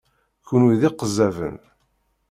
Kenwi d iqezzaben!